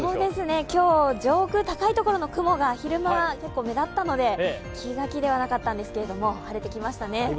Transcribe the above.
今日、上空高いところの雲が昼間結構目立ったので気が気ではなかったんですけど、晴れてきましたね。